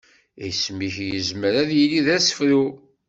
Isem-ik yezmer ad yili d asefru.